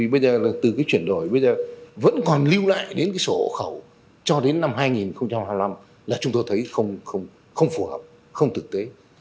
bây giờ từ chuyển đổi vẫn còn lưu lại đến số hộ khẩu cho đến năm hai nghìn hai mươi năm là chúng tôi thấy không phù hợp không thực tế